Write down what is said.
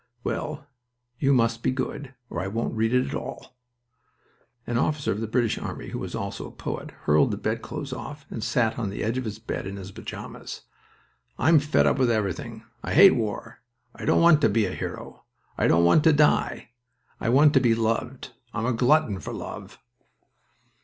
"Well, you must be good, or I won't read it at all." An officer of the British army, who was also a poet, hurled the bedclothes off and sat on the edge of his bed in his pajamas. "I'm fed up with everything! I hate war! I don't want to be a hero! I don't want to die! I want to be loved!... I'm a glutton for love!"